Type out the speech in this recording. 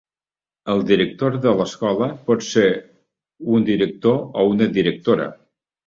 El director de l'escola pot ser un director o una directora